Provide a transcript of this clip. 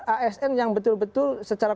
asn yang betul betul secara